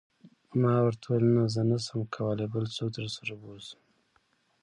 ما ورته وویل: نه، زه نه شم تلای، بل څوک درسره و بوزه.